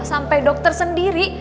sampai dokter sendiri